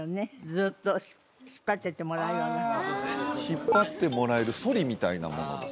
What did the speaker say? ずっと引っ張っていってもらうような引っ張ってもらえるソリみたいなものですか？